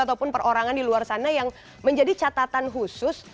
ataupun perorangan di luar sana yang menjadi catatan khusus